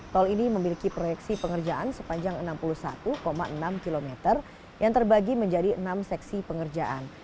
tol ini memiliki proyeksi pengerjaan sepanjang enam puluh satu enam km yang terbagi menjadi enam seksi pengerjaan